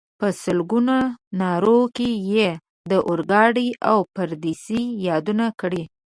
په سلګونو نارو کې یې د اورګاډي او پردیسۍ یادونه کړې.